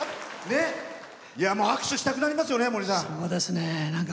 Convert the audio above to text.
握手したくなりますよね、森さん。